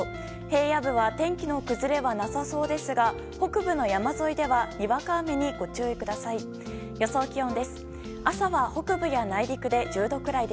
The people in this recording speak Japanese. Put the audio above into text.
平野部は天気の崩れはなさそうですが北部の山沿いではにわか雨にご注意ください。